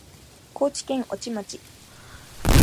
高知県越知町